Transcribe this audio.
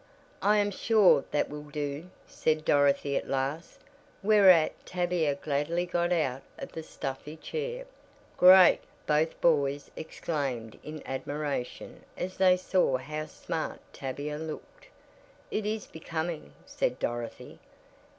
"I am sure that will do," said Dorothy at last, whereat Tavia gladly got out of the stuffy chair. "Great!" both boys exclaimed in admiration as they saw how "smart" Tavia looked. "It is becoming," said Dorothy.